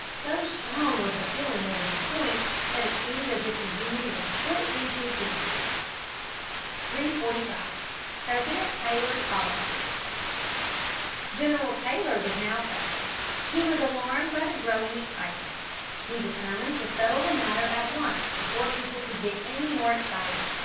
So strong was the feeling over these points that it seemed as if the Union would split into pieces. [Sidenote: Taylor's policy.] [Sidenote: California demands admission.] 345. President Taylor's Policy. General Taylor was now President. He was alarmed by the growing excitement. He determined to settle the matter at once before people could get any more excited.